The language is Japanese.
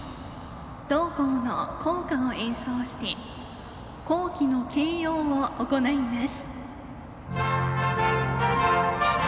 同校の校歌を演奏して校旗の掲揚を行います。